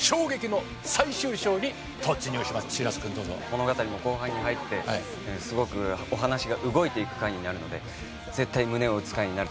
物語も後半に入ってすごくお話が動いていく回になるので絶対胸を打つ回になると思います。